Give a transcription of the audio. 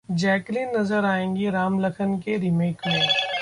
Jacqueline नजर आएंगी 'राम लखन' के रीमेक में!